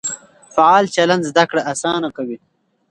فعال چلند زده کړه اسانه کوي.